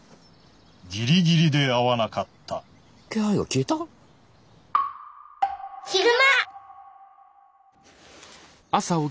ギリギリで会わなかった気配が消えた？悲熊。